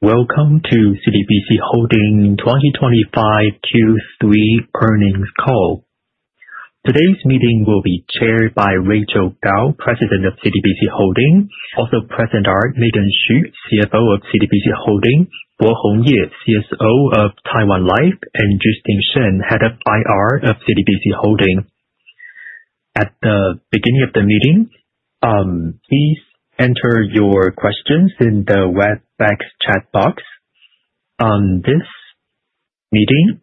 Welcome to CTBC Financial Holding 2025 Q3 earnings call. Today's meeting will be chaired by Rachael Kao, President of CTBC Financial Holding. Also present are Megan Hsu, CFO of CTBC Financial Holding, Bohong Ye, CSO of Taiwan Life Insurance, and Justine Shen, Head of IR of CTBC Financial Holding. At the beginning of the meeting, please enter your questions in the Webex chat box. This meeting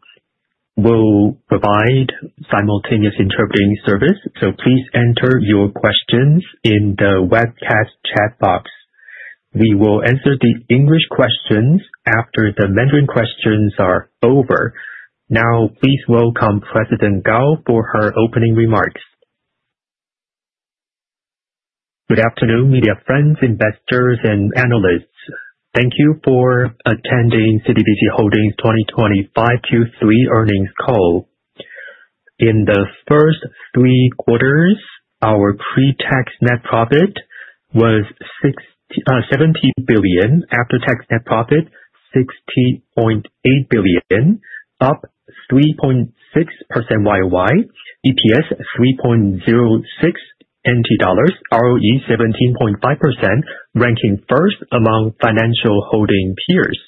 will provide simultaneous interpreting service, so please enter your questions in the Webex chat box. We will answer the English questions after the Mandarin questions are over. Now, please welcome President Kao for her opening remarks. Good afternoon, media friends, investors, and analysts. Thank you for attending CTBC Financial Holding's 2025 Q3 earnings call. In the first three quarters, our pre-tax net profit was 70 billion, after-tax net profit 60.8 billion, up 3.6% year-over-year, EPS 3.06 NT dollars, ROE 17.5%, ranking first among financial holding peers.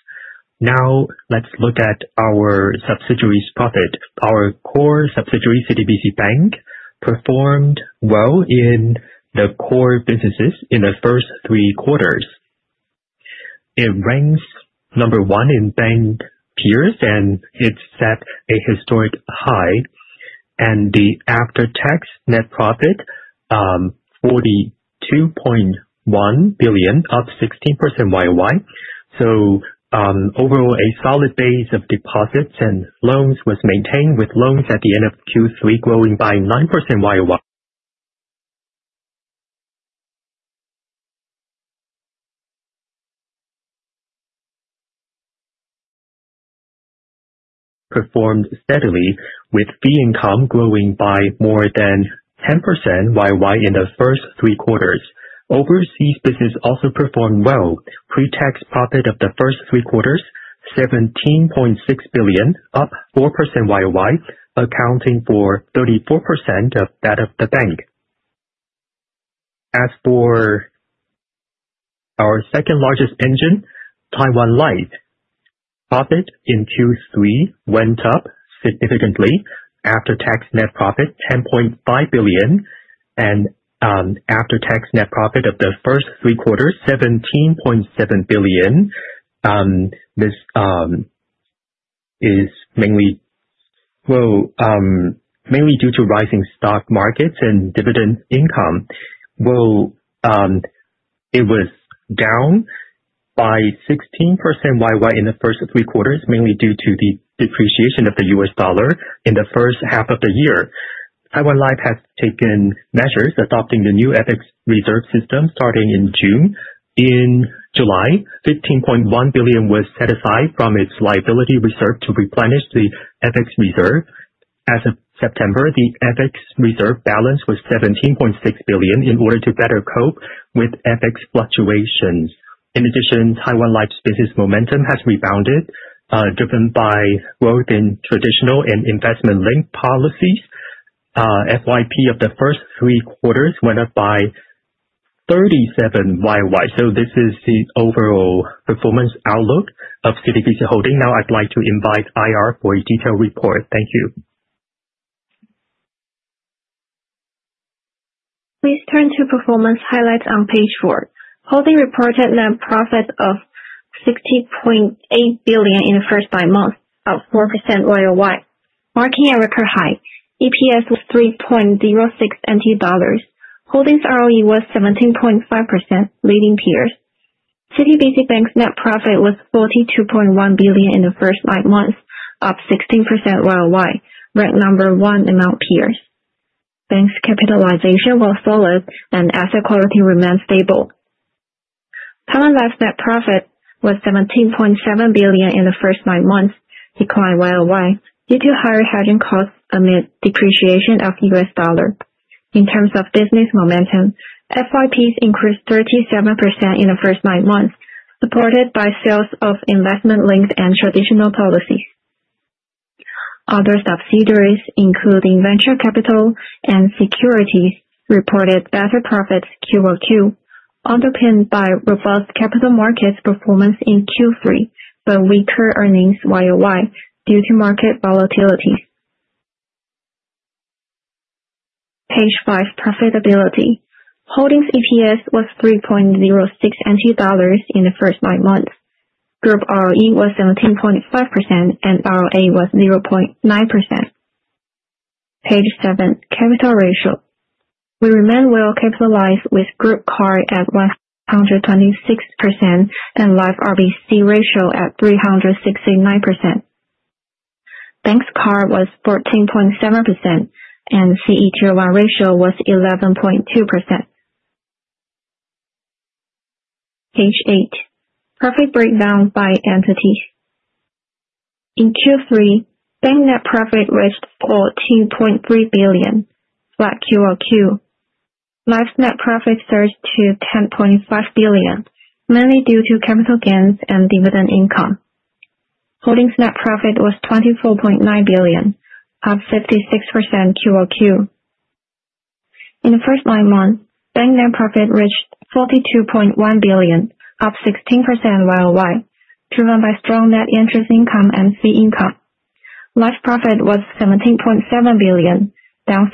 Now let's look at our subsidiaries' profit. Our core subsidiary, CTBC Bank, performed well in the core businesses in the first three quarters. It ranks number one in bank peers, and it set a historic high. The after-tax net profit, 42.1 billion, up 16% year-over-year. Overall, a solid base of deposits and loans was maintained, with loans at the end of Q3 growing by 9% year-over-year. Performed steadily with fee income growing by more than 10% year-over-year in the first three quarters. Overseas business also performed well. Pre-tax profit of the first three quarters, 17.6 billion, up 4% year-over-year, accounting for 34% of that of the bank. As for our second-largest engine, Taiwan Life Insurance. Profit in Q3 went up significantly. After-tax net profit, TWD 10.5 billion, and after-tax net profit of the first three quarters, TWD 17.7 billion. This is mainly due to rising stock markets and dividend income. It was down by 16% year-over-year in the first three quarters, mainly due to the depreciation of the U.S. dollar in the first half of the year. Taiwan Life Insurance has taken measures adopting the new FX reserve system starting in June. In July, 15.1 billion was set aside from its liability reserve to replenish the FX reserve. As of September, the FX reserve balance was 17.6 billion in order to better cope with FX fluctuations. In addition, Taiwan Life Insurance's business momentum has rebounded, driven by growth in traditional and investment-linked policies. FYP of the first three quarters went up by 37% year-over-year. This is the overall performance outlook of CTBC Financial Holding. Now I'd like to invite IR for a detailed report. Thank you. Please turn to performance highlights on page four. CTBC Financial Holding reported net profit of 60.8 billion in the first nine months, up 4% year-over-year, marking a record high. EPS was 3.06 NT dollars. CTBC Financial Holding's ROE was 17.5%, leading peers. CTBC Bank's net profit was 42.1 billion in the first nine months, up 16% year-over-year, ranked number one among peers. Bank's capitalization was solid and asset quality remained stable. Taiwan Life Insurance's net profit was 17.7 billion in the first nine months, declined year-over-year due to higher hedging costs amid depreciation of the U.S. dollar. In terms of business momentum, FYP increased 37% in the first nine months, supported by sales of investment-linked and traditional policies. Other subsidiaries, including CTBC Venture Capital and Securities, reported better profits quarter-over-quarter, underpinned by robust capital markets performance in Q3, but weaker earnings year-over-year due to market volatility. Page five, profitability. CTBC Financial Holding's EPS was 3.06 in the first nine months. Group ROE was 17.5%. ROA was 0.9%. Page seven, capital ratio. We remain well-capitalized with group CAR at 126% and Life RBC ratio at 369%. Bank's CAR was 14.7%. CET1 ratio was 11.2%. Page eight, profit breakdown by entity. In Q3, bank net profit reached 42.3 billion, flat quarter-over-quarter. Life net profit surged to 10.5 billion, mainly due to capital gains and dividend income. Holdings net profit was 24.9 billion, up 56% quarter-over-quarter. In the first nine months, bank net profit reached 42.1 billion, up 16% year-over-year, driven by strong net interest income and fee income. Life profit was 17.7 billion, down 16%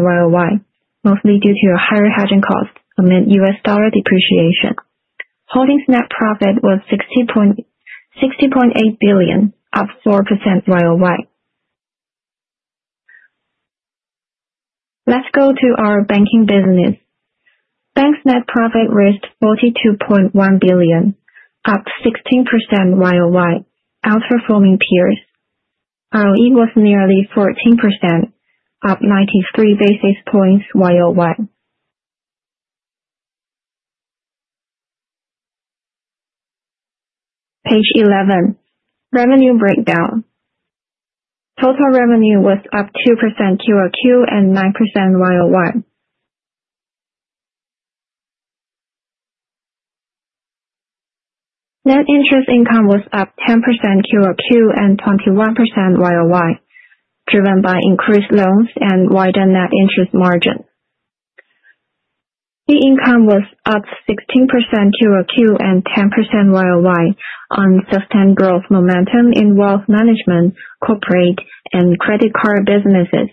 year-over-year, mostly due to higher hedging costs amid US dollar depreciation. Holdings net profit was 60.8 billion, up 4% year-over-year. Let's go to our banking business. Bank net profit reached 42.1 billion, up 16% year-over-year, outperforming peers. ROE was nearly 14%, up 93 basis points year-over-year. Page 11, revenue breakdown. Total revenue was up 2% quarter-over-quarter and 9% year-over-year. Net interest income was up 10% quarter-over-quarter and 21% year-over-year, driven by increased loans and widened net interest margin. Fee income was up 16% quarter-over-quarter and 10% year-over-year on sustained growth momentum in wealth management, corporate, and credit card businesses.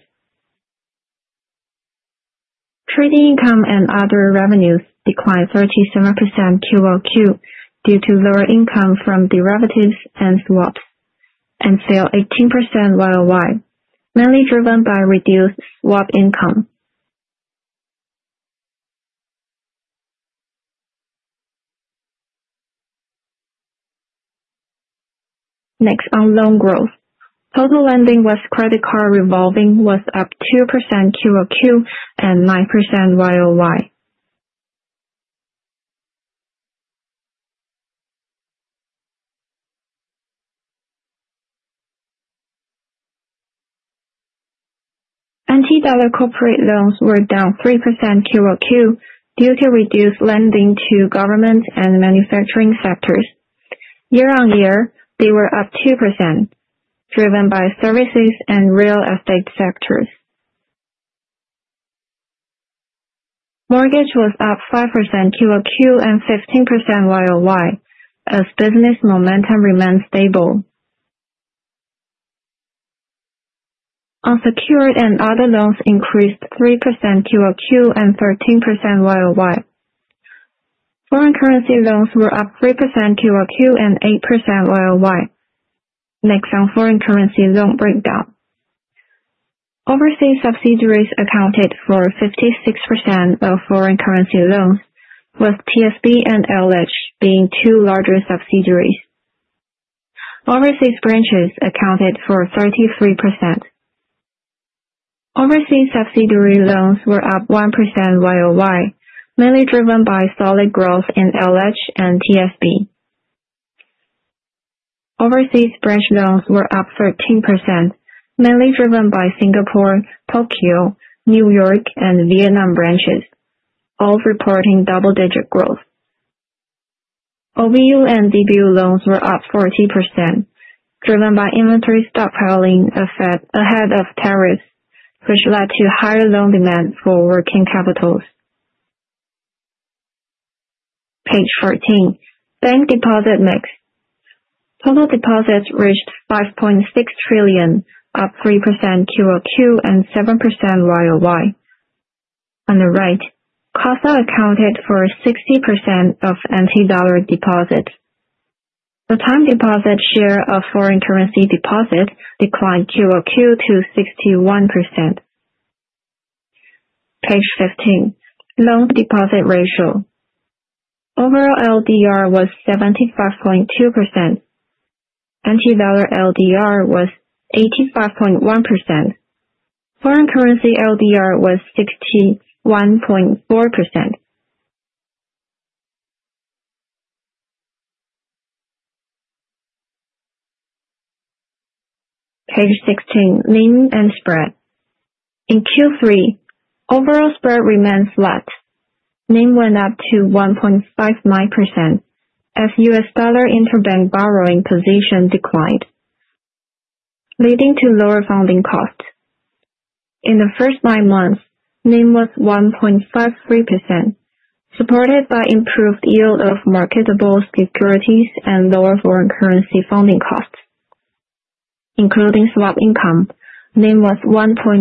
Trading income and other revenues declined 37% quarter-over-quarter due to lower income from derivatives and swaps, and fell 18% year-over-year, mainly driven by reduced swap income. Next, on loan growth. Total lending with credit card revolving was up 2% quarter-over-quarter and 9% year-over-year. NT dollar corporate loans were down 3% quarter-over-quarter due to reduced lending to government and manufacturing sectors. Year-over-year, they were up 2%, driven by services and real estate sectors. Mortgage was up 5% quarter-over-quarter and 15% year-over-year as business momentum remained stable. Unsecured and other loans increased 3% quarter-over-quarter and 13% year-over-year. Foreign currency loans were up 3% quarter-over-quarter and 8% year-over-year. Next, on foreign currency loan breakdown. Overseas subsidiaries accounted for 56% of foreign currency loans, with TSB and LH being two larger subsidiaries. Overseas branches accounted for 33%. Overseas subsidiary loans were up 1% year-over-year, mainly driven by solid growth in LH and TSB. Overseas branch loans were up 13%, mainly driven by Singapore, Tokyo, N.Y., and Vietnam branches, all reporting double-digit growth. OBU and DBU loans were up 14%, driven by inventory stockpiling effect ahead of tariffs, which led to higher loan demand for working capitals. Page 14, bank deposit mix. Total deposits reached 5.6 trillion, up 3% quarter-over-quarter and 7% year-over-year. On the right, CASA accounted for 60% of NT dollar deposits. The time deposit share of foreign currency deposits declined quarter-over-quarter to 61%. Page 15, loan deposit ratio. Overall LDR was 75.2%. NT dollar LDR was 85.1%. Foreign currency LDR was 61.4%. Page 16, NIM and spread. In Q3, overall spread remained flat. NIM went up to 1.59% as US dollar interbank borrowing position declined, leading to lower funding costs. In the first nine months, NIM was 1.53%, supported by improved yield of marketable securities and lower foreign currency funding costs. Including swap income, NIM was 1.65%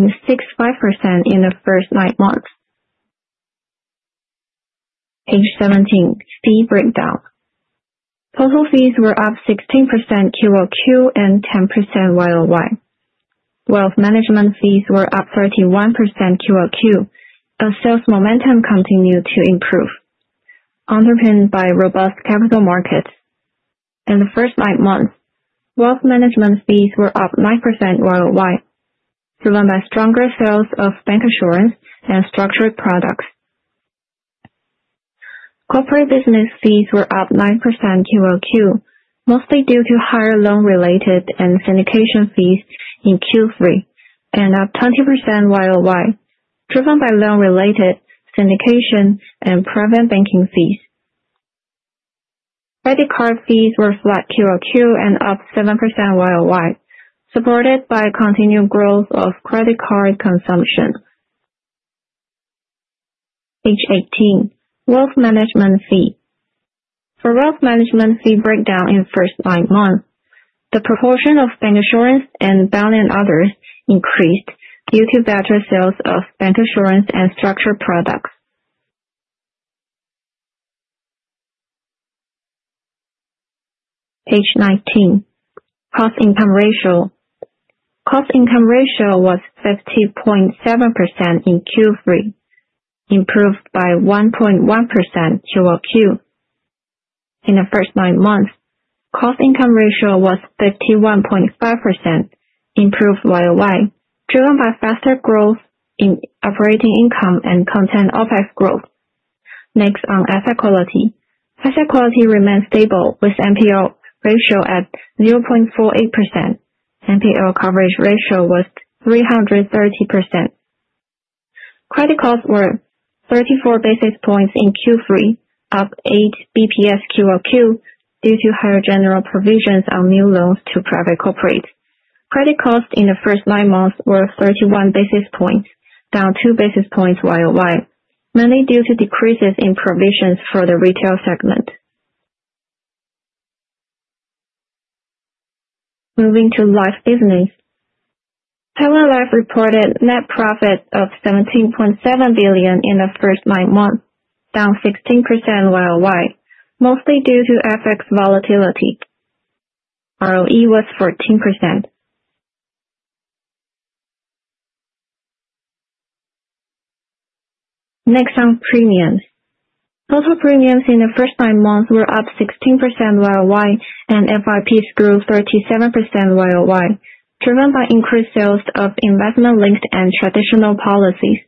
in the first nine months. Page 17, fee breakdown. Total fees were up 16% quarter-over-quarter and 10% year-over-year. Wealth management fees were up 31% quarter-over-quarter as sales momentum continued to improve, underpinned by robust capital markets. In the first nine months, wealth management fees were up 9% year-over-year, driven by stronger sales of bank assurance and structured products. Corporate business fees were up 9% QOQ, mostly due to higher loan-related and syndication fees in Q3, and up 20% YOY, driven by loan-related, syndication, and private banking fees. Credit card fees were flat QOQ and up 7% YOY, supported by continued growth of credit card consumption. Page 18. Wealth management fee. For wealth management fee breakdown in first nine months, the proportion of bank assurance and bond and others increased due to better sales of bank assurance and structured products. Page 19. Cost income ratio. Cost income ratio was 50.7% in Q3, improved by 1.1% QOQ. In the first nine months, cost income ratio was 51.5%, improved YOY, driven by faster growth in operating income and contained OPEX growth. Next on asset quality. Asset quality remained stable with NPL ratio at 0.48%. NPL coverage ratio was 330%. Credit costs were 34 basis points in Q3, up eight BPS QOQ, due to higher general provisions on new loans to private corporates. Credit costs in the first nine months were 31 basis points, down two basis points YOY, mainly due to decreases in provisions for the retail segment. Moving to life business. Taiwan Life reported net profit of 17.7 billion in the first nine months, down 16% YOY, mostly due to FX volatility. ROE was 14%. Next on premiums. Total premiums in the first nine months were up 16% YOY, and FYPs grew 37% YOY, driven by increased sales of investment-linked and traditional policies.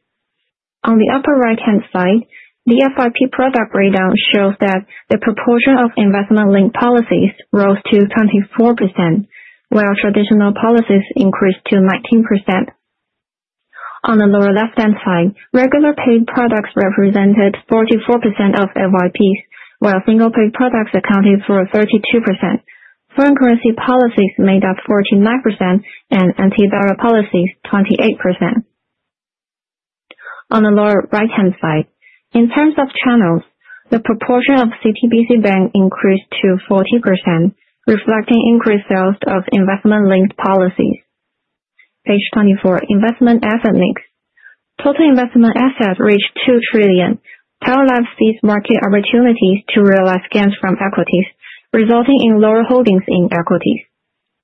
On the upper right-hand side, the FYP product breakdown shows that the proportion of investment-linked policies rose to 24%, while traditional policies increased to 19%. On the lower left-hand side, regular paid products represented 44% of FYPs, while single paid products accounted for 32%. Foreign currency policies made up 49% and NT dollar policies 28%. On the lower right-hand side, in terms of channels, the proportion of CTBC Bank increased to 14%, reflecting increased sales of investment-linked policies. Page 24, investment asset mix. Total investment assets reached 2 trillion. Taiwan Life seized market opportunities to realize gains from equities, resulting in lower holdings in equities.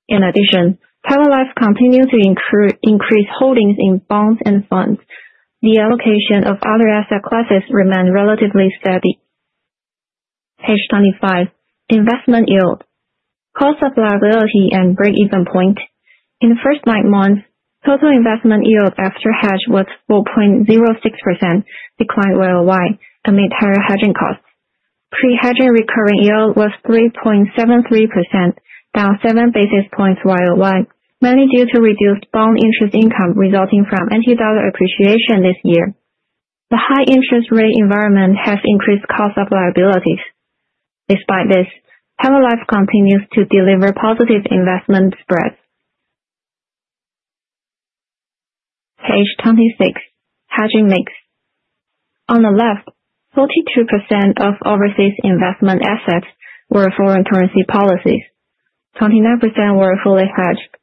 In addition, Taiwan Life continues to increase holdings in bonds and funds. The allocation of other asset classes remained relatively steady. Page 25. Investment yield, cost of liability, and break-even point. In the first nine months, total investment yield after hedge was 4.06%, declined YOY amid higher hedging costs. Pre-hedging recurring yield was 3.73%, down seven basis points YOY, mainly due to reduced bond interest income resulting from NT dollar appreciation this year. The high interest rate environment has increased cost of liabilities. Despite this, Taiwan Life continues to deliver positive investment spreads. Page 26, hedging mix. On the left, 42% of overseas investment assets were foreign currency policies, 29% were fully hedged,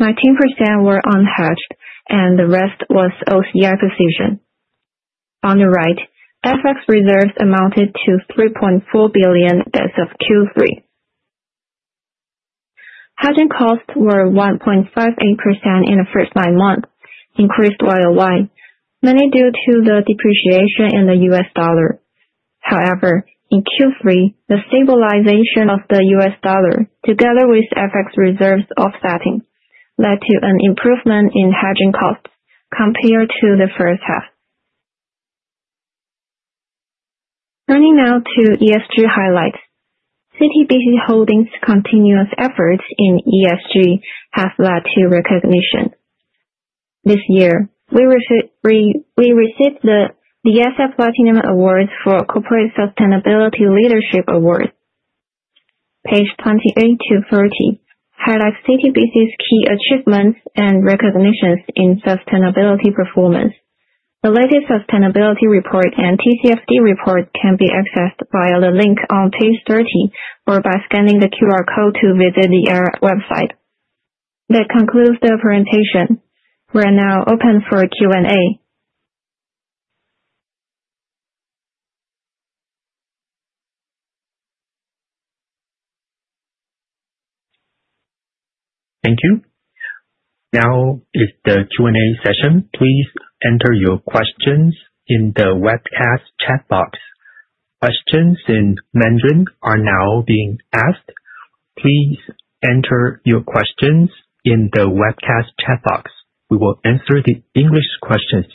19% were unhedged, and the rest was OCI position. On the right, FX reserves amounted to 3.4 billion as of Q3. Hedging costs were 1.58% in the first nine months, increased YOY, mainly due to the depreciation in the US dollar. However, in Q3, the stabilization of the US dollar, together with FX reserves offsetting, led to an improvement in hedging costs compared to the first half. Turning now to ESG highlights. CTBC Holdings' continuous efforts in ESG have led to recognition. This year, we received the DJSI Platinum Awards for Corporate Sustainability Leadership Award. Page 28 to 30 highlights CTBC's key achievements and recognitions in sustainability performance. The latest sustainability report and TCFD report can be accessed via the link on page 30 or by scanning the QR code to visit the website. That concludes the presentation. We are now open for Q&A. Thank you. Now is the Q&A session. Please enter your questions in the webcast chat box. Questions in Mandarin are now being asked. Please enter your questions in the webcast chat box. We will answer the English questions.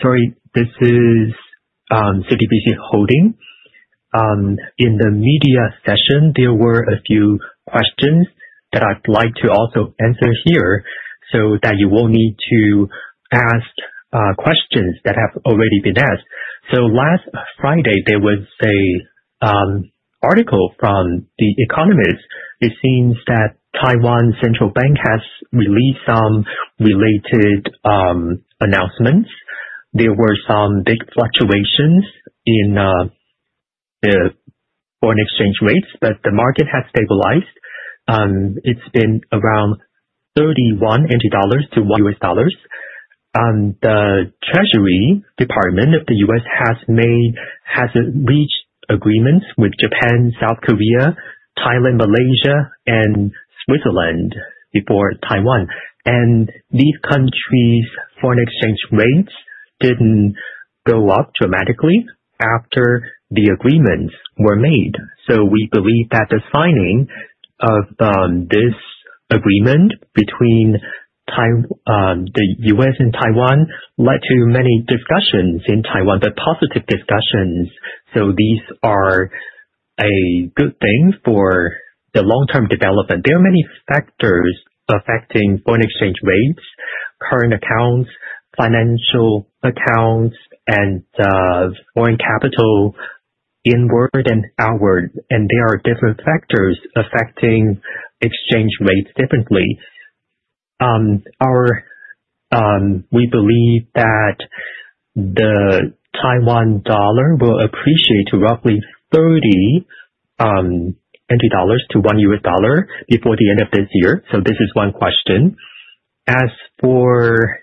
Sorry, this is CTBC Holding. In the media session, there were a few questions that I'd like to also answer here so that you won't need to ask questions that have already been asked. Last Friday, there was an article from The Economist. It seems that Taiwan Central Bank has released some related announcements. There were some big fluctuations in the foreign exchange rates, but the market has stabilized. It has been around 31 to 1 US dollars. The U.S. Department of the Treasury has reached agreements with Japan, South Korea, Thailand, Malaysia, and Switzerland before Taiwan. These countries' foreign exchange rates did not go up dramatically after the agreements were made. We believe that the signing of this agreement between the U.S. and Taiwan led to many discussions in Taiwan, the positive discussions. These are a good thing for the long-term development. There are many factors affecting foreign exchange rates, current accounts, financial accounts, and foreign capital inward and outward. There are different factors affecting exchange rates differently. We believe that the Taiwan dollar will appreciate to roughly 30 NT dollars to 1 US dollar before the end of this year. This is one question. As for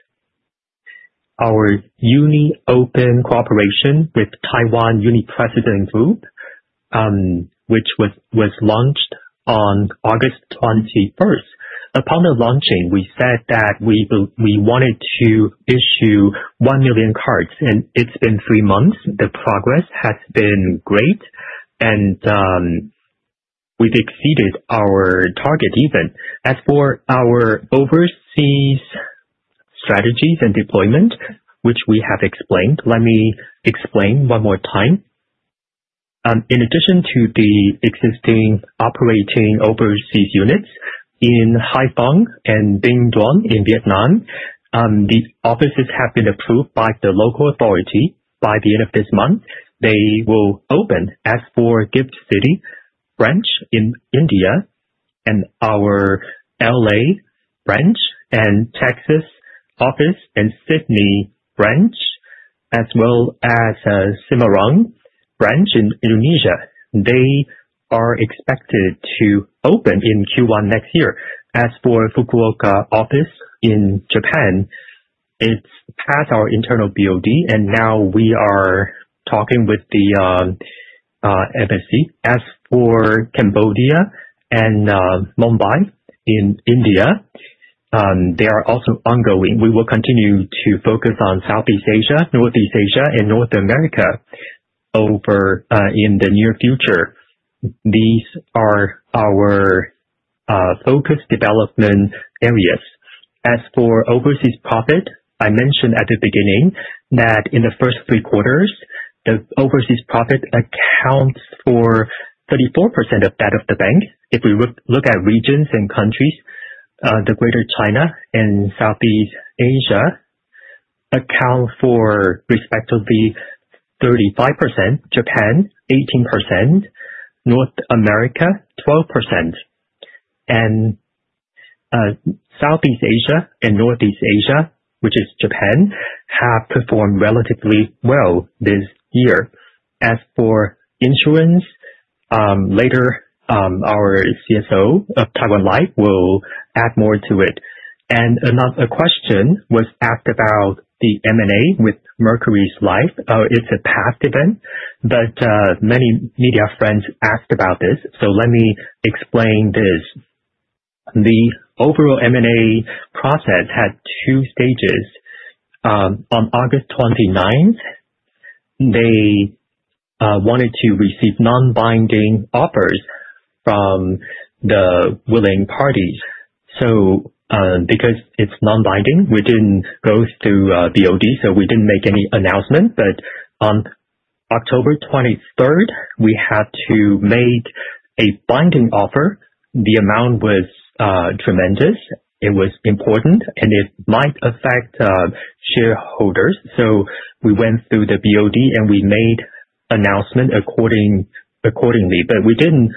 our uniopen cooperation with Uni-President Group, which was launched on August 21st. Upon the launching, we said that we wanted to issue 1 million cards, and it has been three months. The progress has been great, and we have exceeded our target even. As for our overseas strategies and deployment, which we have explained, let me explain one more time. In addition to the existing operating overseas units in Haiphong and Biên Hòa in Vietnam, these offices have been approved by the local authority. By the end of this month, they will open. As for GIFT City branch in India and our L.A. branch and Texas office and Sydney branch, as well as Semarang branch in Indonesia, they are expected to open in Q1 next year. As for Fukuoka office in Japan, it has passed our internal BOD, and now we are talking with the FSC. As for Cambodia and Mumbai in India, they are also ongoing. We will continue to focus on Southeast Asia, Northeast Asia, and North America in the near future. These are our focus development areas. As for overseas profit, I mentioned at the beginning that in the first three quarters, the overseas profit accounts for 34% of that of the bank. If we look at regions and countries, the Greater China and Southeast Asia account for respectively 35%, Japan 18%, North America 12%. Southeast Asia and Northeast Asia, which is Japan, have performed relatively well this year. As for insurance, later our CSO of Taiwan Life will add more to it. Another question was asked about the M&A with Mercuries Life Insurance. It's a past event, but many media friends asked about this, so let me explain this. The overall M&A process had two stages. On August 29, they wanted to receive non-binding offers from the willing parties. Because it's non-binding, we didn't go through BOD, we didn't make any announcement. On October 23, we had to make a binding offer. The amount was tremendous. It was important, and it might affect shareholders. We went through the BOD, and we made announcement accordingly. We didn't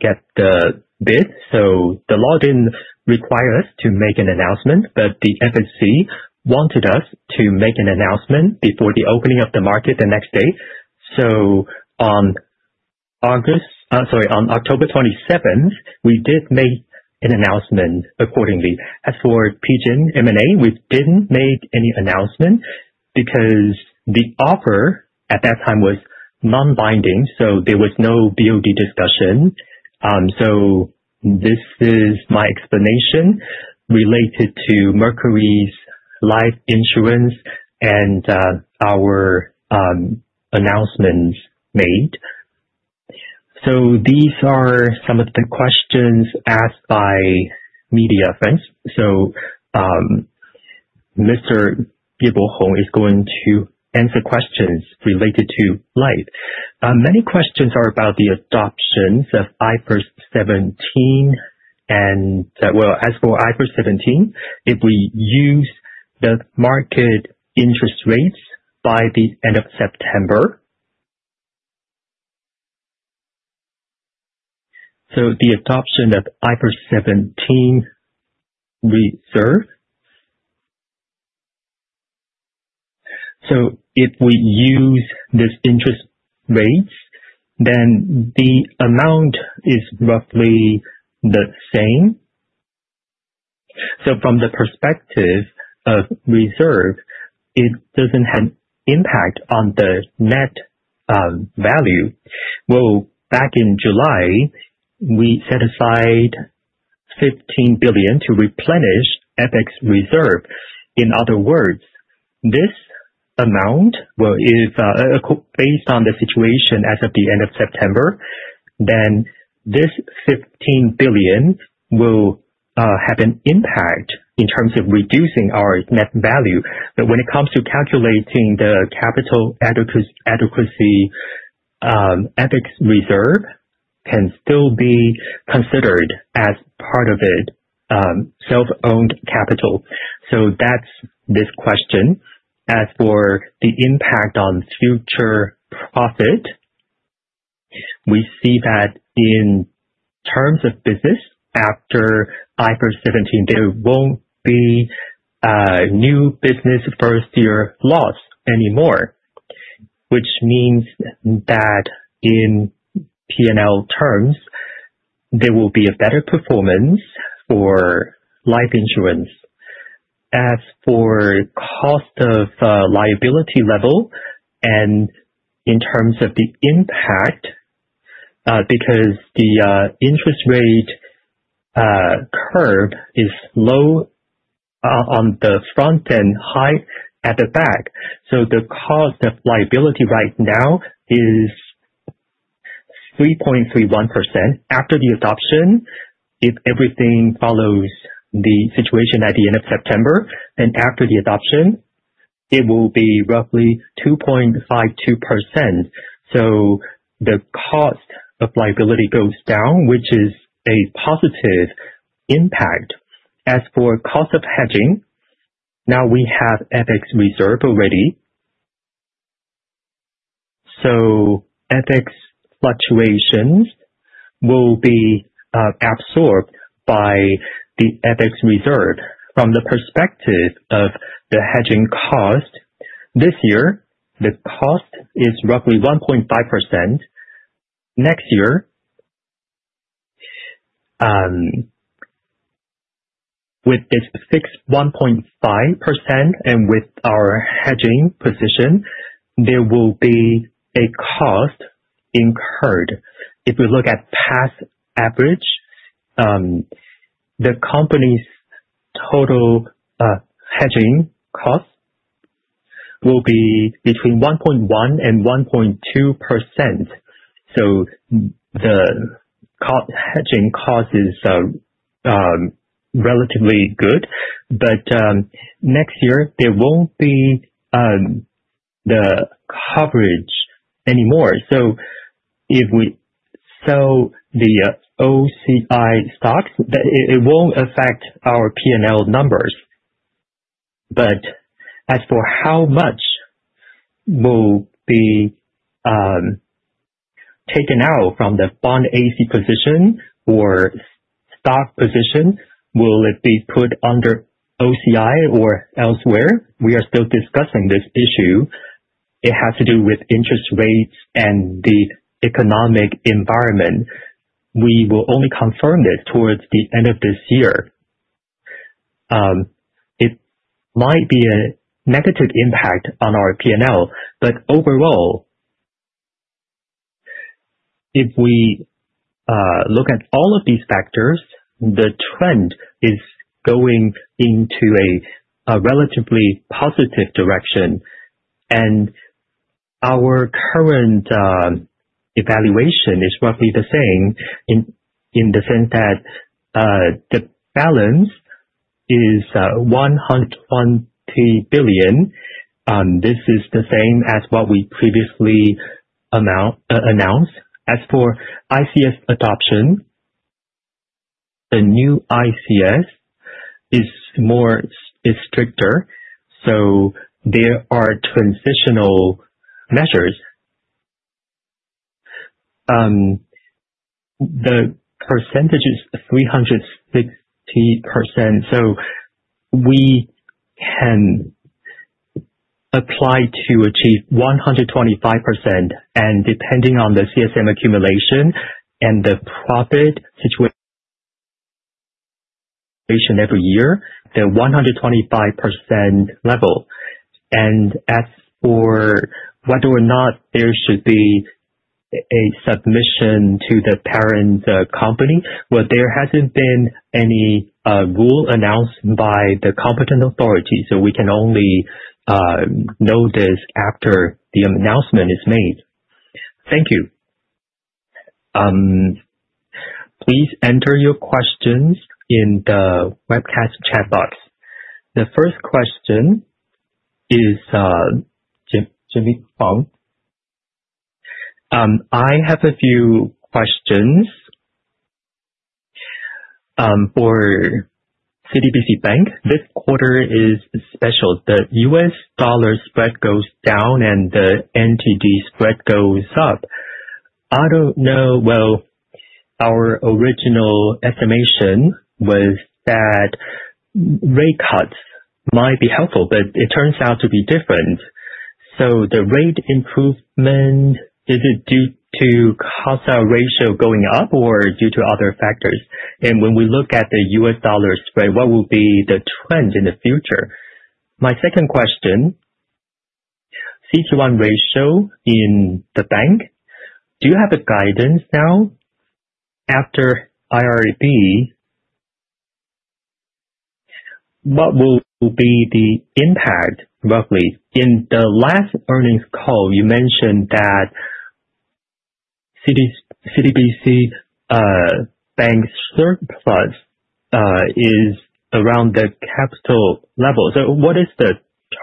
get the bid, the law didn't require us to make an announcement. The FSC wanted us to make an announcement before the opening of the market the next day. On October 27, we did make an announcement accordingly. As for Peachen M&A, we didn't make any announcement Because the offer at that time was non-binding, there was no BOD discussion. This is my explanation related to Mercuries Life Insurance and our announcements made. These are some of the questions asked by media friends. Mr. Piepo Hong is going to answer questions related to life. Many questions are about the adoptions of IFRS 17 and that, as for IFRS 17, if we use the market interest rates by the end of September. The adoption of IFRS 17 reserve. If we use these interest rates, then the amount is roughly the same. From the perspective of reserve, it doesn't have impact on the net value. Back in July, we set aside 15 billion to replenish FX reserve. In other words, this amount, based on the situation as of the end of September, then this 15 billion will have an impact in terms of reducing our net value. When it comes to calculating the capital adequacy, FX reserve can still be considered as part of it, self-owned capital. That's this question. As for the impact on future profit, we see that in terms of business, after IFRS 17, there won't be new business first-year loss anymore, which means that in P&L terms, there will be a better performance for life insurance. As for cost of liability level and in terms of the impact, because the interest rate curve is low on the front and high at the back. The cost of liability right now is 3.31%. After the adoption, if everything follows the situation at the end of September, then after the adoption, it will be roughly 2.52%. The cost of liability goes down, which is a positive impact. As for cost of hedging, now we have FX reserve already. FX fluctuations will be absorbed by the FX reserve. From the perspective of the hedging cost, this year, the cost is roughly 1.5%. Next year, with this fixed 1.5% and with our hedging position, there will be a cost incurred. If we look at past average, the company's total hedging cost will be between 1.1% and 1.2%. The hedging cost is relatively good. But next year, there won't be the coverage anymore. If we sell the OCI stocks, it won't affect our P&L numbers. But as for how much will be taken out from the bond AC position or stock position, will it be put under OCI or elsewhere? We are still discussing this issue. It has to do with interest rates and the economic environment. We will only confirm this towards the end of this year. It might be a negative impact on our P&L. Overall, if we look at all of these factors, the trend is going into a relatively positive direction. And our current evaluation is roughly the same in the sense that the balance is 120 billion. This is the same as what we previously announced. As for ICS adoption, the new ICS is stricter. So there are transitional measures. The percentage is 360%. So we can apply to achieve 125%, and depending on the CSM accumulation and the profit situation every year, the 125% level. As for whether or not there should be a submission to the parent company, well, there hasn't been any rule announced by the competent authority, so we can only know this after the announcement is made. Thank you. Please enter your questions in the webcast chat box. The first question is Jimmy Fong. I have a few questions. For CTBC Bank, this quarter is special. The U.S. dollar spread goes down, and the NTD spread goes up. I don't know, well, our original estimation was that rate cuts might be helpful, but it turns out to be different. The rate improvement, is it due to cost out ratio going up or due to other factors? And when we look at the U.S. dollar spread, what will be the trend in the future? My second question, CECL ratio in the bank. Do you have a guidance now after IRB? What will be the impact, roughly? In the last earnings call, you mentioned that CTBC Bank surplus is around the capital level. What is the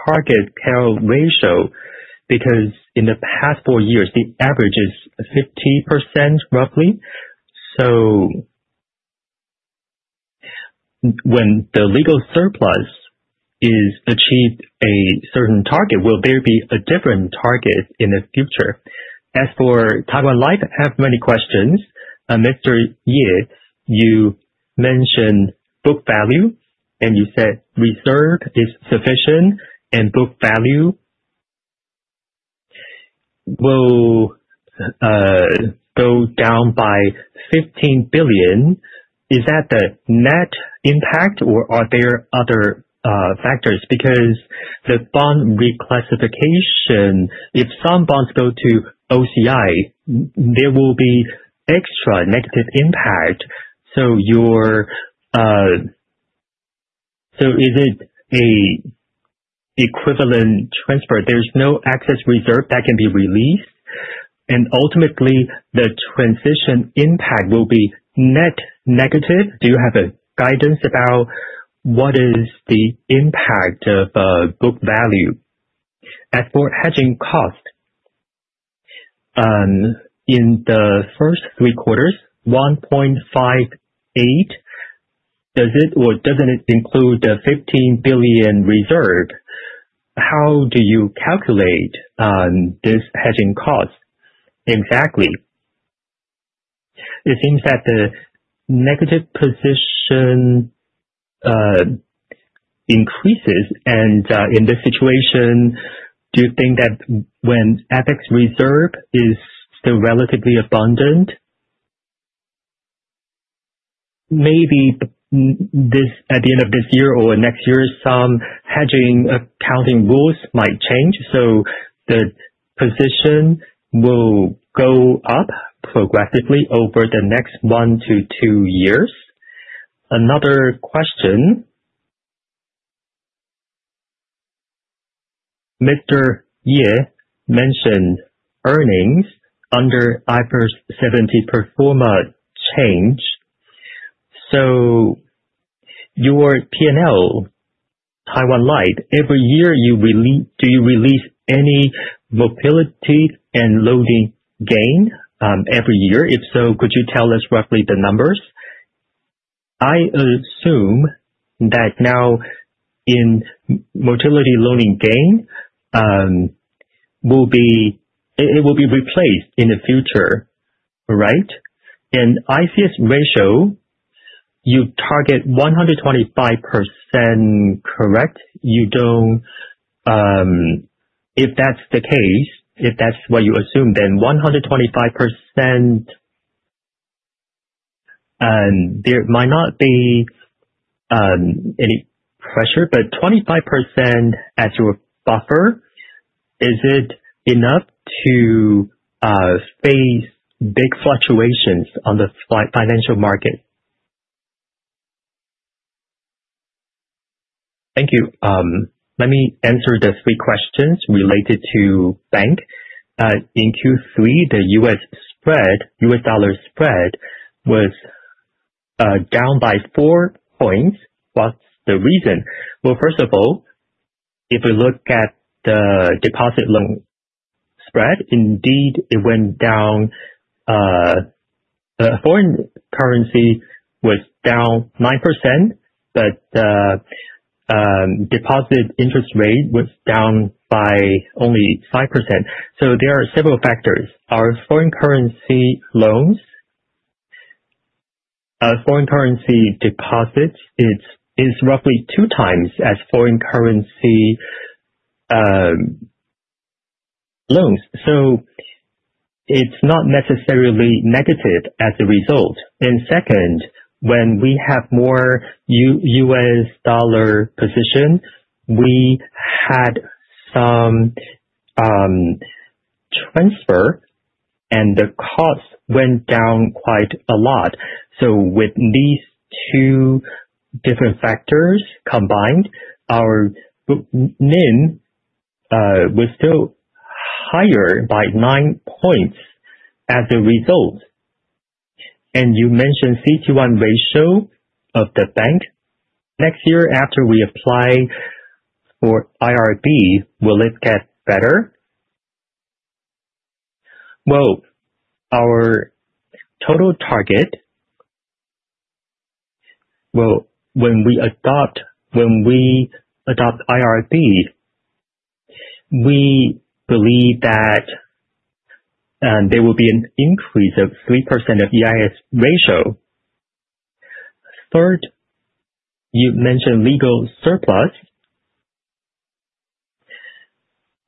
target capital ratio? Because in the past four years, the average is 50%, roughly. When the legal surplus is achieved a certain target, will there be a different target in the future? As for Taiwan Life, I have many questions. Mr. Ye, you mentioned book value, and you said reserve is sufficient and book value will go down by 15 billion. Is that the net impact, or are there other factors? Because the bond reclassification, if some bonds go to OCI, there will be extra negative impact. Is it a equivalent transfer? There's no excess reserve that can be released, and ultimately, the transition impact will be net negative. Do you have a guidance about what is the impact of book value? As for hedging cost, in the first three quarters, 1.58%, does it or doesn't it include the 15 billion reserve? How do you calculate this hedging cost exactly? It seems that the negative position increases, in this situation, do you think that when excess reserve is still relatively abundant, maybe at the end of this year or next year, some hedging accounting rules might change, the position will go up progressively over the next one to two years. Another question. Mr. Ye mentioned earnings under IFRS 17 pro forma change. Your P&L, Taiwan Life, every year do you release any mortality and loading gain every year? If so, could you tell us roughly the numbers? I assume that now in mortality loading gain, it will be replaced in the future, right? In ICS ratio, you target 125%, correct? If that's the case, if that's what you assume, then 125%, there might not be any pressure, but 25% as your buffer, is it enough to face big fluctuations on the financial market? Thank you. Let me answer the three questions related to bank. In Q3, the U.S. dollar spread was down by four points. What's the reason? First of all, if we look at the deposit-loan spread, indeed, it went down. Foreign currency was down 9%, but deposit interest rate was down by only 5%. There are several factors. Our foreign currency loans, our foreign currency deposits is roughly two times as foreign currency- Loans. It's not necessarily negative as a result. Second, when we have more U.S. dollar positions, we had some transfer, the cost went down quite a lot. With these two different factors combined, our NIM was still higher by nine points as a result. You mentioned CET1 ratio of the bank. Next year, after we apply for IRB, will it get better? When we adopt IRB, we believe that there will be an increase of 3% of CET1 ratio. Third, you mentioned legal surplus.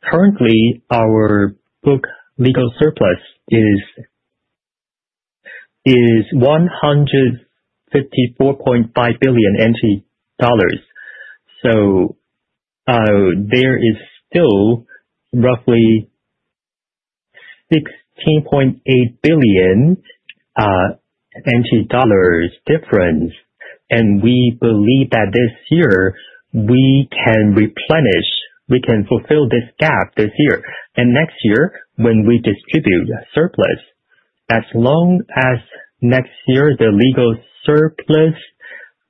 Currently, our book legal surplus is 154.5 billion NT dollars. There is still roughly 16.8 billion NT dollars difference, we believe that this year we can replenish, we can fulfill this gap this year. Next year, when we distribute surplus, as long as next year the legal surplus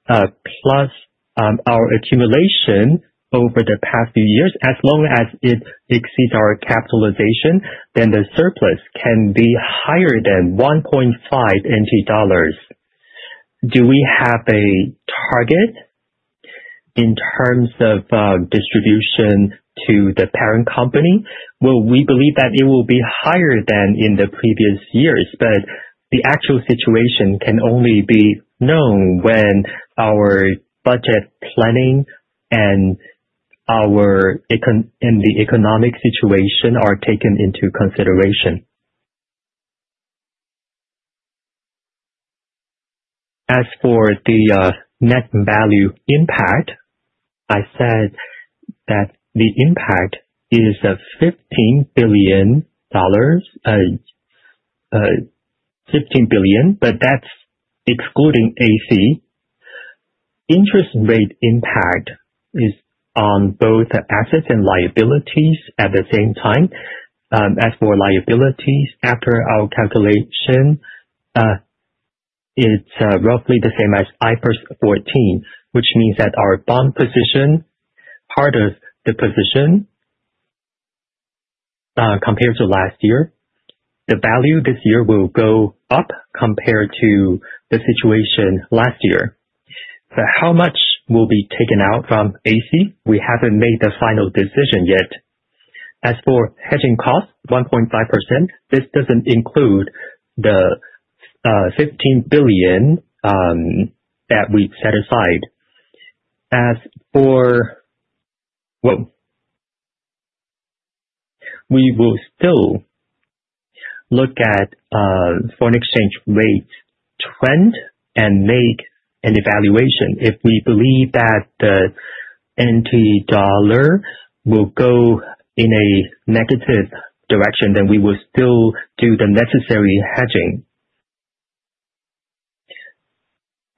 plus our accumulation over the past few years, as long as it exceeds our capitalization, the surplus can be higher than 1.5 NT dollars. Do we have a target in terms of distribution to the parent company? We believe that it will be higher than in the previous years, but the actual situation can only be known when our budget planning and the economic situation are taken into consideration. As for the net value impact, I said that the impact is dollars 15 billion, but that's excluding AC. Interest rate impact is on both assets and liabilities at the same time. As for liabilities, after our calculation, it's roughly the same as IFRS 14, which means that our bond position, part of the position compared to last year, the value this year will go up compared to the situation last year. How much will be taken out from AC? We haven't made the final decision yet. As for hedging cost, 1.5%. This doesn't include the 15 billion that we've set aside. We will still look at foreign exchange rate trend and make an evaluation. If we believe that the NT dollar will go in a negative direction, we will still do the necessary hedging.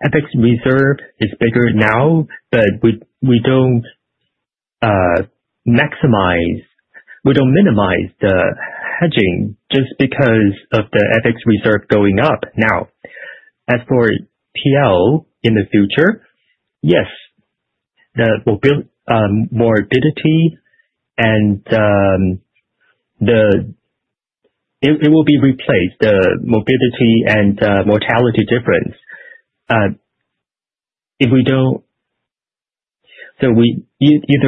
FX reserve is bigger now, but we don't minimize the hedging just because of the FX reserve going up. Now, as for PL in the future, yes. The morbidity and the It will be replaced, the morbidity and the mortality difference. Either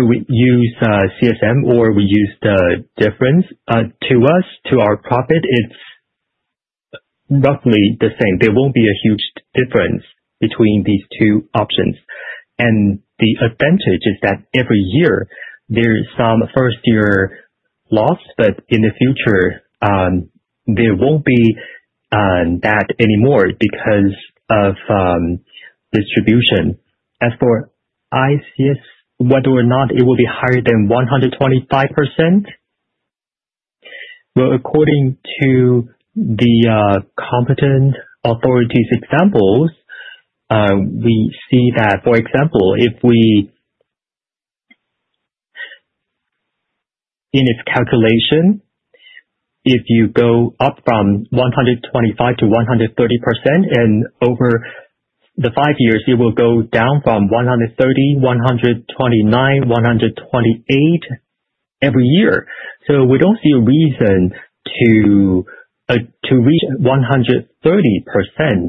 we use CSM or we use the difference. To us, to our profit, it's roughly the same. There won't be a huge difference between these two options. And the advantage is that every year there is some first-year loss, but in the future, there won't be that anymore because of distribution. As for ICS, whether or not it will be higher than 125%. According to the competent authorities examples, we see that, for example, if we In its calculation, if you go up from 125% to 130%, and over the five years it will go down from 130%, 129%, 128% every year. We don't see a reason to reach 130%.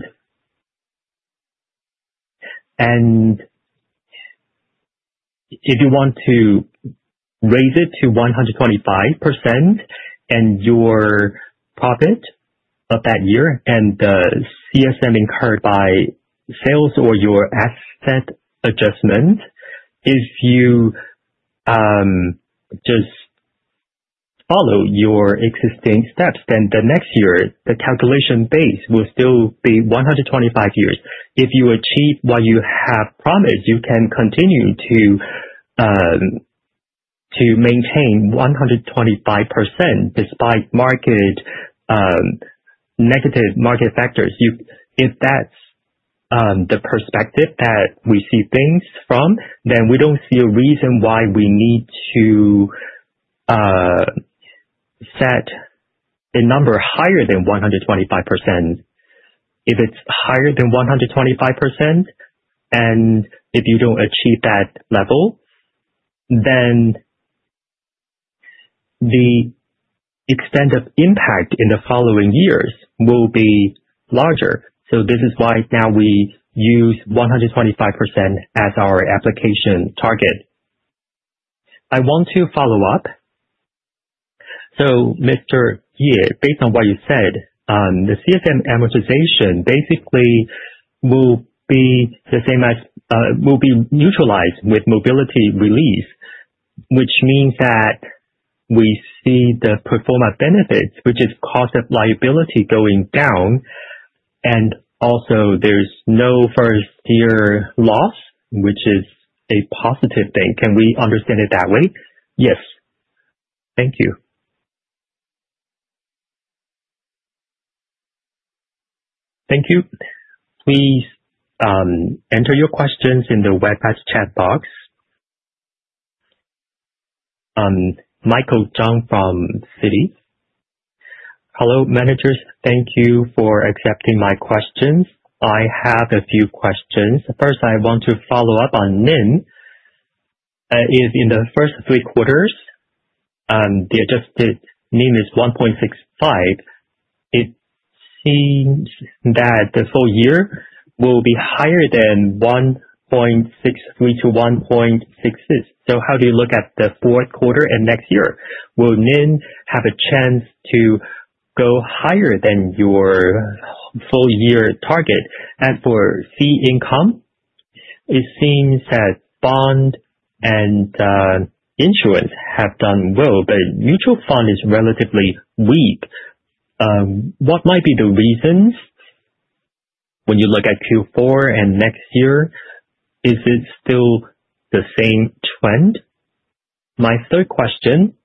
If you want to raise it to 125% and your profit Of that year and the CSM incurred by sales or your asset adjustment. If you just follow your existing steps, then the next year, the calculation base will still be 125%. If you achieve what you have promised, you can continue to maintain 125% despite negative market factors. If that's the perspective that we see things from, then we don't see a reason why we need to set a number higher than 125%. If it's higher than 125%, and if you don't achieve that level, then the extent of impact in the following years will be larger. This is why now we use 125% as our application target. I want to follow up. Mr. Ye, based on what you said, the CSM amortization basically will be neutralized with mobility relief, which means that we see the pro forma benefits, which is cost of liability going down. Also there's no first-year loss, which is a positive thing. Can we understand it that way? Yes. Thank you. Thank you. Please enter your questions in the web chat box. Michael Chang from Citi. Hello, managers. Thank you for accepting my questions. I have a few questions. First, I want to follow up on NIM. If in the first three quarters, the adjusted NIM is 1.65%, it seems that the full year will be higher than 1.63%-1.66%. How do you look at the fourth quarter and next year? Will NIM have a chance to go higher than your full year target? For fee income, it seems that bond and insurance have done well, but mutual fund is relatively weak. What might be the reasons when you look at Q4 and next year? Is it still the same trend? My third question,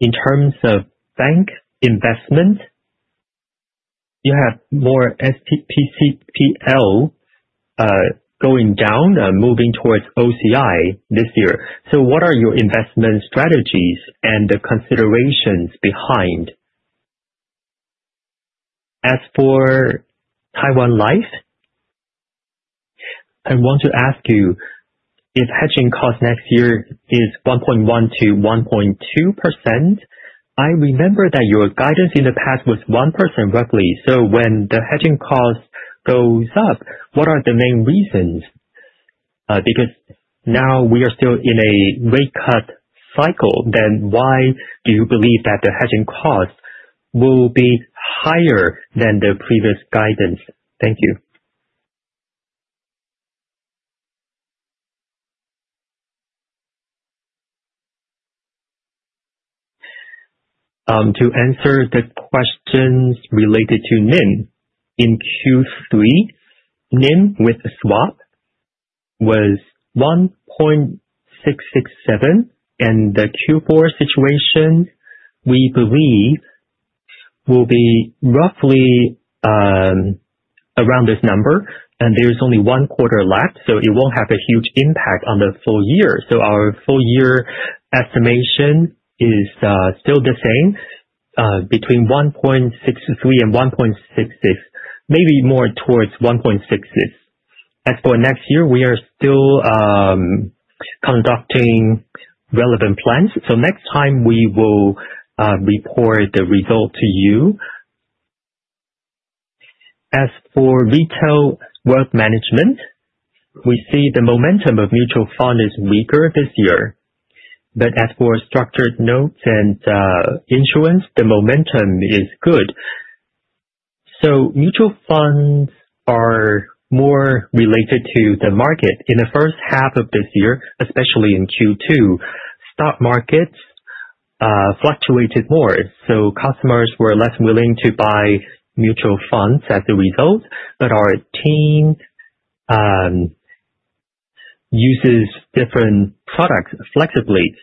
in terms of bank investment, you have more SPCTL, going down and moving towards OCI this year. What are your investment strategies and the considerations behind? As for Taiwan Life, I want to ask you if hedging cost next year is 1.1%-1.2%. I remember that your guidance in the past was 1% roughly. When the hedging cost goes up, what are the main reasons? Now we are still in a rate cut cycle, why do you believe that the hedging cost will be higher than the previous guidance? Thank you. To answer the questions related to NIM. In Q3, NIM with swap was 1.667, the Q4 situation, we believe will be roughly around this number, there's only one quarter left, so it won't have a huge impact on the full year. Our full year estimation is still the same, between 1.63 and 1.66, maybe more towards 1.66. As for next year, we are still conducting relevant plans. Next time we will report the result to you. As for retail wealth management, we see the momentum of mutual fund is weaker this year, structured notes and insurance, the momentum is good. Mutual funds are more related to the market. In the first half of this year, especially in Q2, stock markets fluctuated more, customers were less willing to buy mutual funds as a result, our team uses different products flexibly.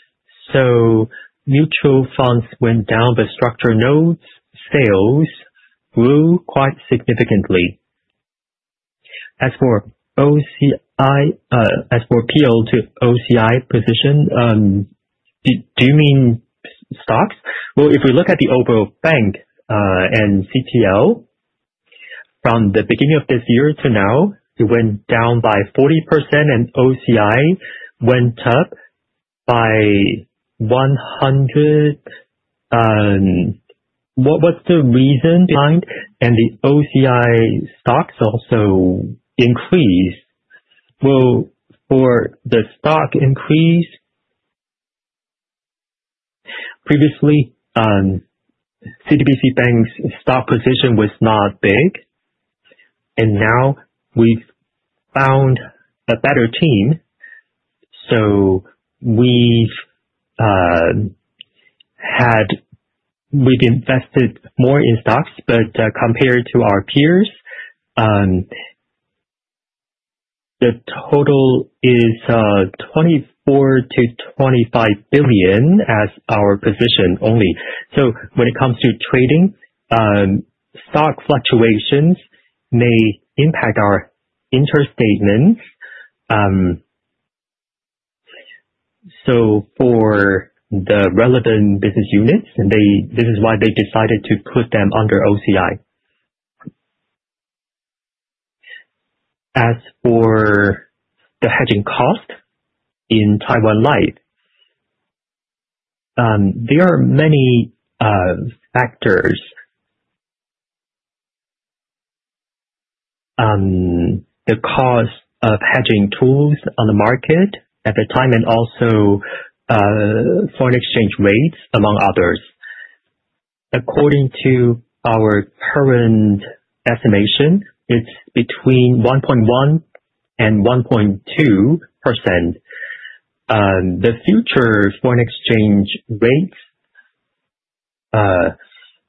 Mutual funds went down, structured notes sales grew quite significantly. As for PL to OCI position, do you mean stocks? Well, if we look at the overall bank, CTL from the beginning of this year to now, it went down by 40% OCI went up by 100. What's the reason behind the OCI stocks also increase? Will for the stock increase? Previously, CTBC Bank's stock position was not big, now we've found a better team, so we've invested more in stocks. Compared to our peers, the total is 24 billion-25 billion as our position only. When it comes to trading, stock fluctuations may impact our income statements. For the relevant business units, this is why they decided to put them under OCI. As for the hedging cost in Taiwan Life, there are many factors. The cost of hedging tools on the market at the time and also foreign exchange rates, among others. According to our current estimation, it's between 1.1%-1.2%. The future foreign exchange rates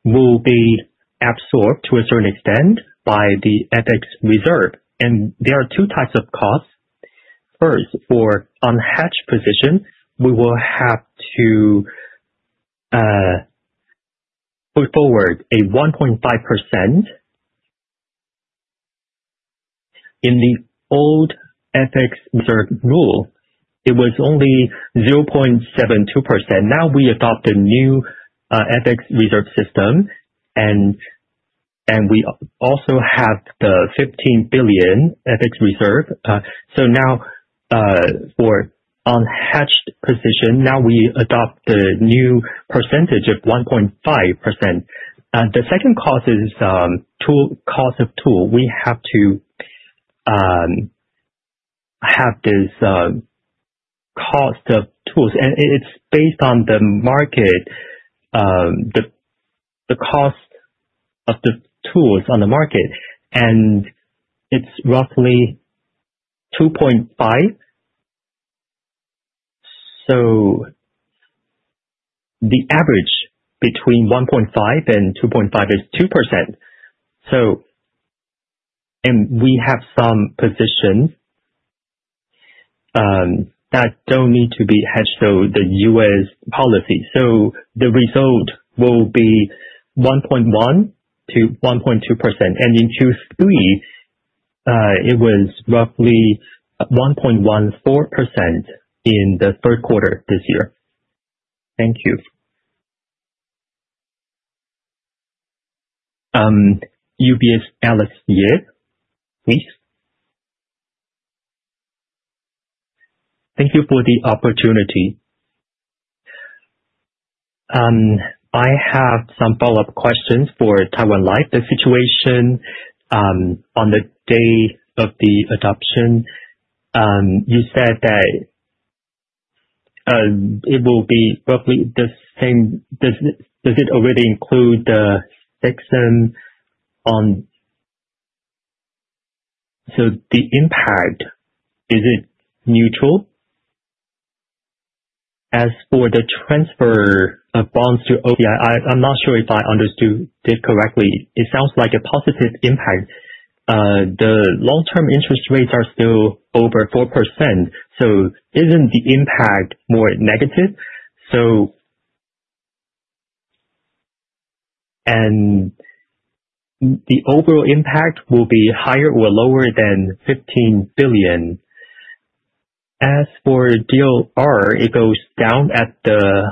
will be absorbed to a certain extent by the FX reserve. There are two types of costs. First, for unhedged position, we will have to put forward a 1.5%. In the old FX reserve rule, it was only 0.72%. Now we adopt a new FX reserve system, we also have the 15 billion FX reserve. Now for unhedged position, now we adopt the new percentage of 1.5%. The second cost is cost of tool. We have to have this cost of tools, it's based on the market, the cost of the tools on the market, it's roughly 2.5%. The average between 1.5 and 2.5 is 2%. We have some positions that don't need to be hedged, the U.S. policy. The result will be 1.1%-1.2%. In Q3, it was roughly 1.14% in the third quarter this year. Thank you. UBS, Alice Ye. Please. Thank you for the opportunity. I have some follow-up questions for Taiwan Life, the situation on the day of the adoption. You said that it will be roughly the same. Does it already include the section on the impact, is it neutral? As for the transfer of bonds to OCI, I am not sure if I understood this correctly. It sounds like a positive impact. The long-term interest rates are still over 4%, isn't the impact more negative? The overall impact will be higher or lower than 15 billion. Regarding LDR, it goes down at the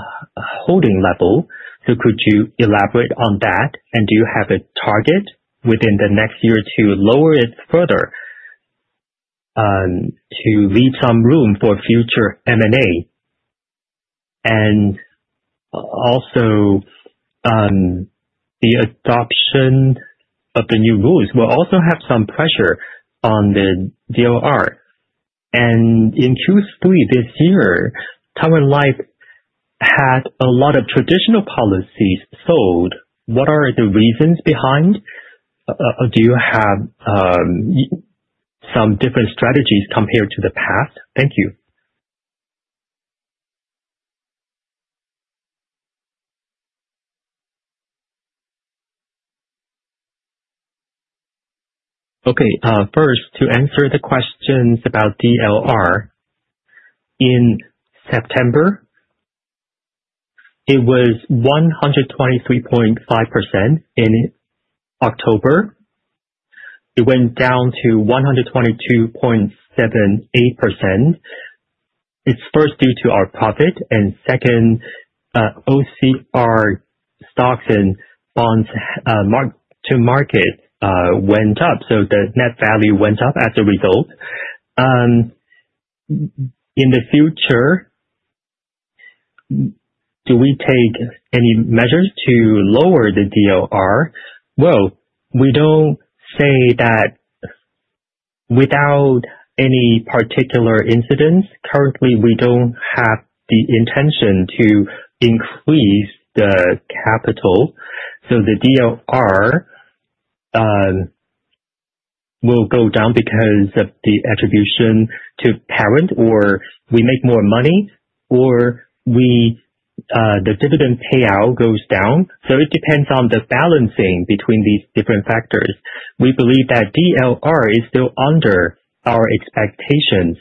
holding level. Could you elaborate on that? Do you have a target within the next year to lower it further to leave some room for future M&A? Also, the adoption of the new rules will also have some pressure on the LDR. In Q3 this year, Taiwan Life had a lot of traditional policies sold. What are the reasons behind? Do you have some different strategies compared to the past? Thank you. Okay. First, to answer the questions about LDR. In September, it was 123.5%. In October, it went down to 122.78%. It is first due to our profit, second, OCI stocks and bonds to market went up, the net value went up as a result. In the future, do we take any measures to lower the LDR? Well, we do not say that without any particular incidents. Currently, we do not have the intention to increase the capital. The LDR will go down because of the attribution to parent, or we make more money, or the dividend payout goes down. It depends on the balancing between these different factors. We believe that LDR is still under our expectations.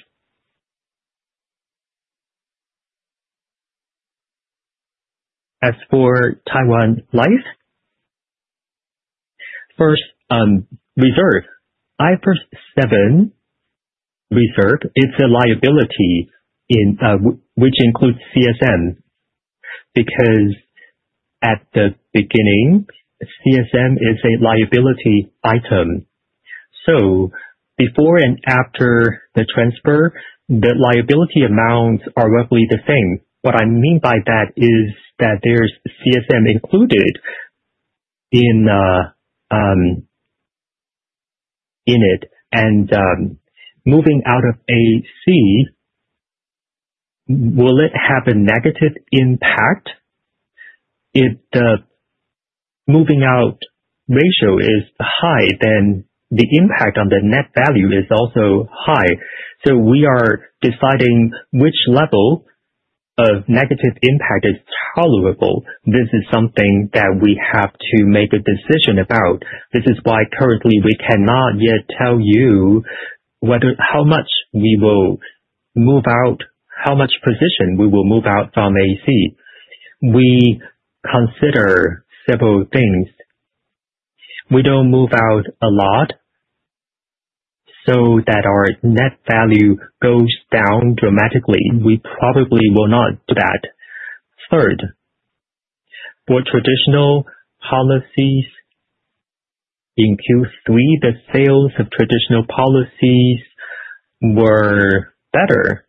Regarding Taiwan Life, first, reserve. IFRS 17 reserve is a liability which includes CSM, because at the beginning, CSM is a liability item. Before and after the transfer, the liability amounts are roughly the same. What I mean by that is that there is CSM included in it and moving out of AC, will it have a negative impact? If the moving out ratio is high, the impact on the net value is also high. We are deciding which level of negative impact is tolerable. This is something that we have to make a decision about. This is why currently we cannot yet tell you how much position we will move out from AC. We consider several things. We do not move out a lot so that our net value goes down dramatically. We probably will not do that. Third, for traditional policies in Q3, the sales of traditional policies were better.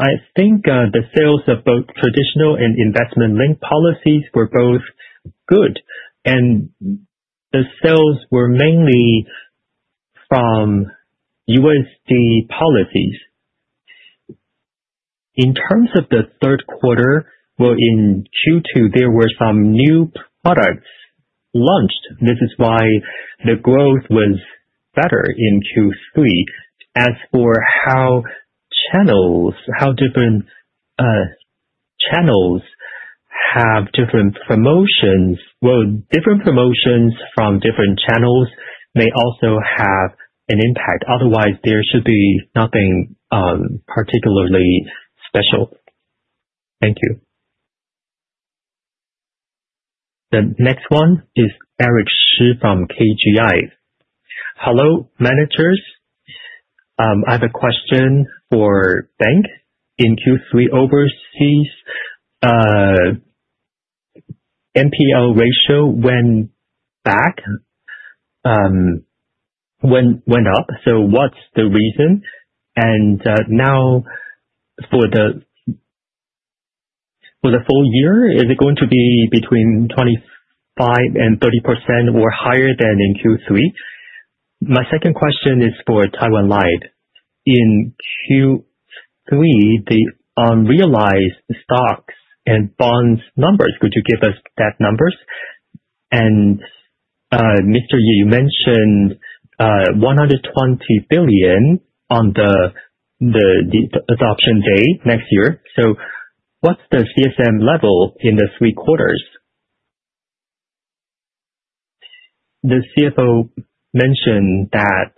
I think the sales of both traditional and investment-linked policies were both good, the sales were mainly from USD policies. In terms of the third quarter, in Q2, there were some new products launched. This is why the growth was better in Q3. Regarding how different channels have different promotions, different promotions from different channels may also have an impact. Otherwise, there should be nothing particularly special. Thank you. The next one is Rui Shi from KGI. Hello, managers. I have a question for bank. In Q3 overseas, NPL ratio went up. What is the reason? Now for the full year, is it going to be between 25% and 30% or higher than in Q3? My second question is for Taiwan Life. In Q3, the unrealized stocks and bonds numbers. Could you give us those numbers? Mr. Yu, you mentioned, 120 billion on the adoption day next year. What's the CSM level in the 3 quarters? The CFO mentioned that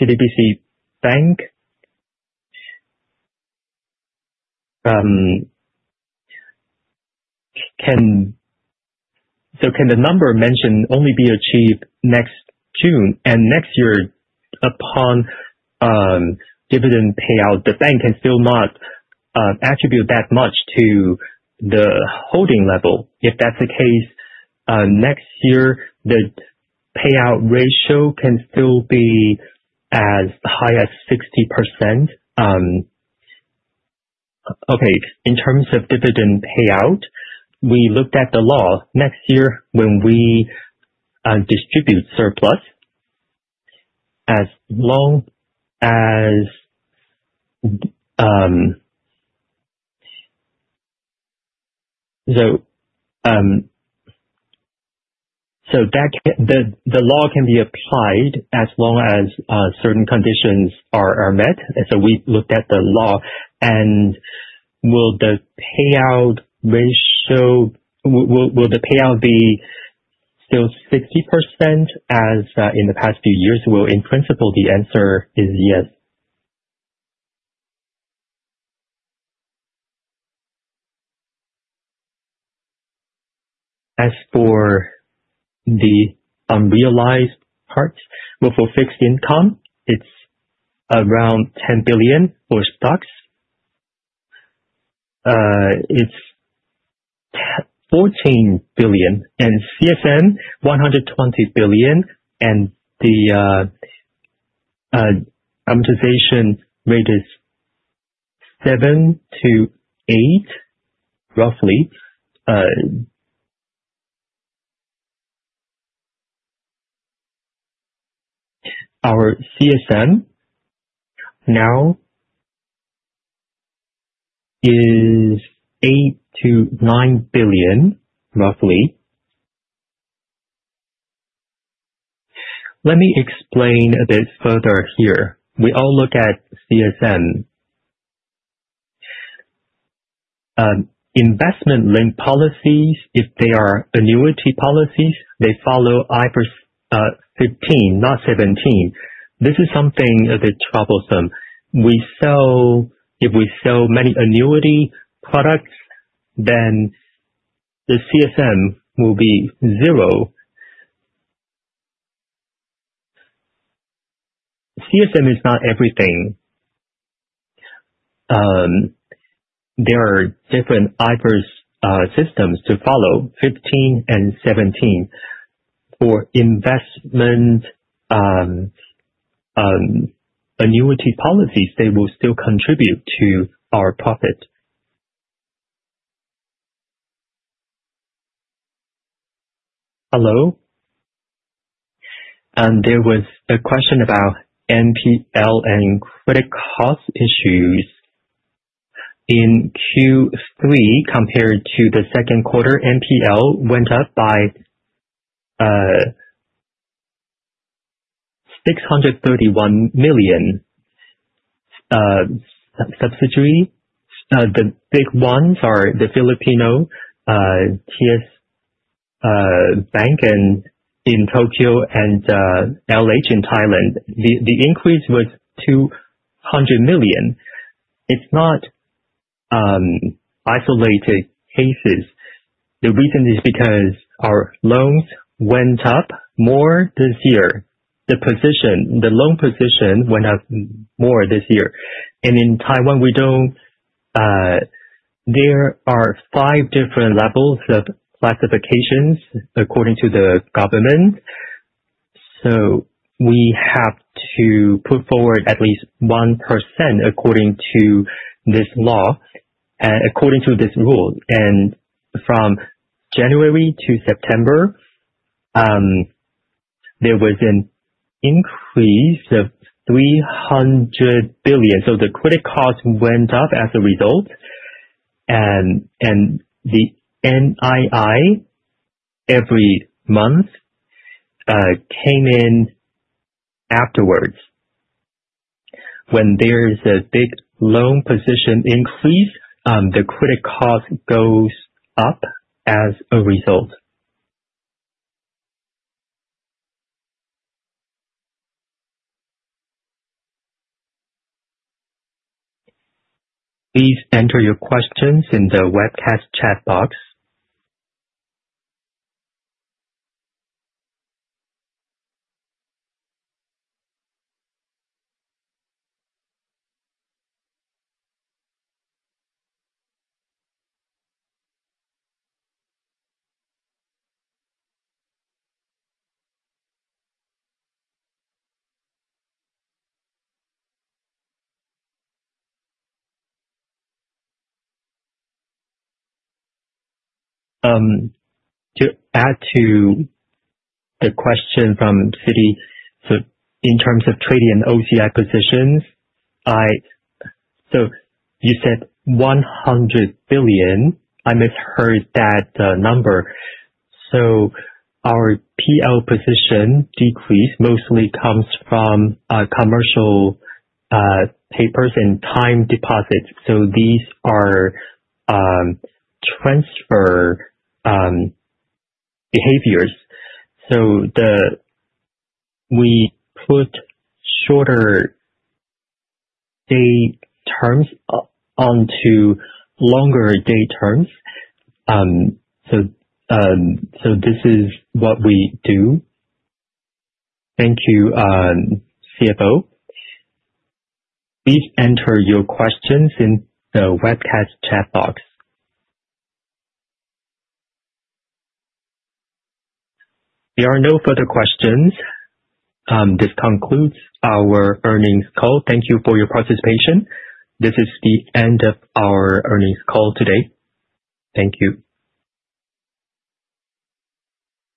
CTBC Bank. Can the number mentioned only be achieved next June? Next year upon dividend payout, the bank can still not attribute that much to the holding level. If that's the case, next year, the payout ratio can still be as high as 60%. In terms of dividend payout, we looked at the law. Next year when we distribute surplus, as long as the law can be applied as long as certain conditions are met. We looked at the law and will the payout be still 60% as in the past few years? In principle, the answer is yes. As for the unrealized parts, for fixed income, it's around 10 billion. For stocks, it's 14 billion and CSM 120 billion and the amortization rate is 7-8, roughly. Our CSM now is TWD 8 billion-TWD 9 billion, roughly. Let me explain a bit further here. We all look at CSM. Investment-linked policies, if they are annuity policies, they follow IFRS 15, not 17. This is something a bit troublesome. If we sell many annuity products, then the CSM will be zero. CSM is not everything. There are different IFRS systems to follow, 15 and 17. For investment, annuity policies, they will still contribute to our profit. Hello. There was a question about NPL and credit cost issues in Q3 compared to the second quarter. NPL went up by TWD 631 million subsidiary. The big ones are the Filipino TS Bank in Tokyo and LH in Thailand. The increase was 200 million. It's not isolated cases. The reason is because our loans went up more this year. The loan position went up more this year. In Taiwan, there are 5 different levels of classifications according to the government. We have to put forward at least 1% according to this law and according to this rule. From January to September, there was an increase of 300 billion. The credit cost went up as a result. The NII every month came in afterwards. When there's a big loan position increase, the credit cost goes up as a result. Please enter your questions in the webcast chat box. To add to the question from Citi, in terms of trading OCI positions, you said 100 billion. I misheard that number. Our PL position decrease mostly comes from commercial papers and time deposits. These are transfer behaviors. We put shorter day terms onto longer day terms. This is what we do. Thank you, CFO. Please enter your questions in the webcast chat box. There are no further questions. This concludes our earnings call. Thank you for your participation. This is the end of our earnings call today. Thank you.